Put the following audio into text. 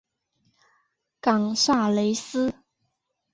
冈萨雷斯。